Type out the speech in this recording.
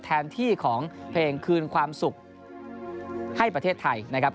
แทนที่ของเพลงคืนความสุขให้ประเทศไทยนะครับ